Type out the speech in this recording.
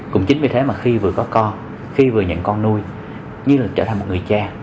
cũng chính vì thế mà khi vừa có con khi vừa nhận con nuôi như là trở thành một người cha